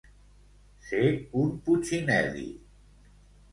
Ser un putxinel·li.